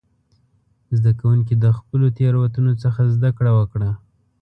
زده کوونکي د خپلو تېروتنو څخه زده کړه وکړه.